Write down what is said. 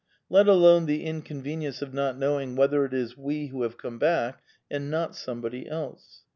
^^ Let alone the inconvenience of not knowing whether it is we who have come back and not somebody else.